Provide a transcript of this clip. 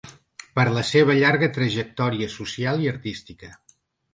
Per la seva llarga trajectòria social i artística.